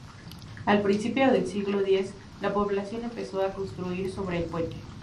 Al principio del siglo X, la población empezó construir sobre el puente.